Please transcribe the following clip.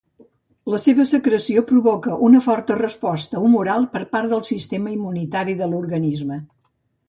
La seva secreció provoca una forta resposta humoral per part del sistema immunitari de l'organisme.